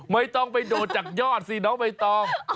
ไม่ต้องไปโดดจากยอดสิน้องใบตอง